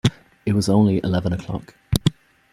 It was only eleven o’clock.